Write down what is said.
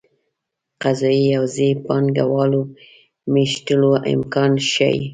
قضايي حوزې پانګه والو مېشتولو امکان ښيي.